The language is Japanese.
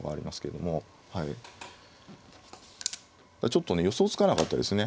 ちょっとね予想つかなかったですね。